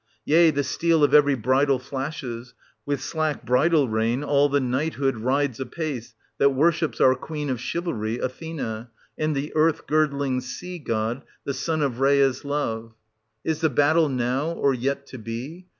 Yea, the steel of every bridle flashes, — with slack bridle rein all the knighthood rides apace 1070 that worships our Queen of Chivalry, Athena, and the earth girdling Sea god, the son of Rhea's love. 7—2 loo SOPHOCLES. [1074— 1 103 str. 2. Is the battle now, or yet to be